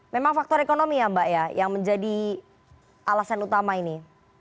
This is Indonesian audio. memang faktor ekonomi ya mbak ya yang menjadi alasan utama ini